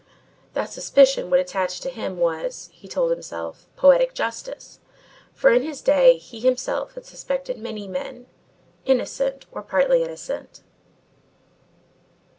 That suspicion should attach to him was, he told himself, poetic justice, for in his day he himself had suspected many men, innocent or partly innocent.